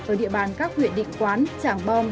ở địa bàn các huyện định quán trảng bom